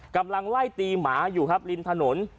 กำลังไล่ตีหมาอยู่ครับริมถนน